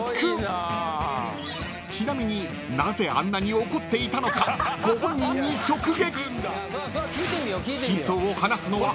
［ちなみになぜあんなに怒っていたのかご本人に直撃！］